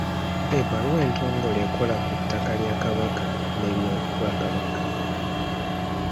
Ebbaluwa entongole ekola ku ttaka lya Kabaka n’ery’Obwakabaka.